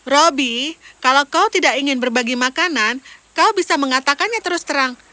robby kalau kau tidak ingin berbagi makanan kau bisa mengatakannya terus terang